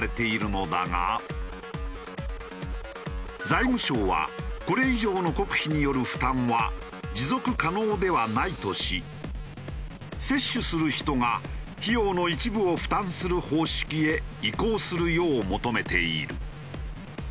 財務省はこれ以上の国費による負担は持続可能ではないとし接種する人が費用の一部を負担する方式へ移行するよう求めている。